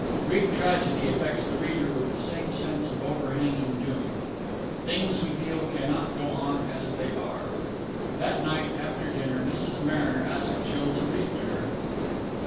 Greek Tragedy affects the reader with the same sense of overhanging doom. Things, we feel, cannot go on as they are. That night, after dinner, Mrs. Mariner asked Jill to read to her.